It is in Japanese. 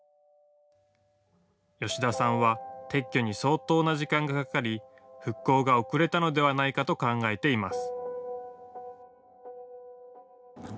吉田さんは撤去に相当な時間がかかり復興が遅れたのではないかと考えています。